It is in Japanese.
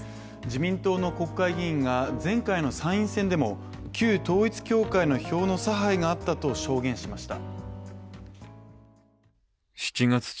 自民党の国会議員が前回の参院選でも旧統一教会の票の差配があったと証言しました